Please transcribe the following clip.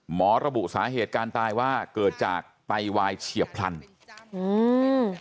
ระบุสาเหตุการตายว่าเกิดจากไตวายเฉียบพลันอืม